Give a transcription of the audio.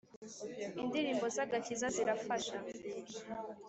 Indirimbo za gakiza zirafasha